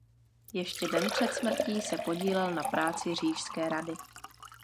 Ještě den před smrtí se podílel na práci Říšské rady.